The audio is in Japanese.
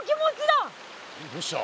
どうした？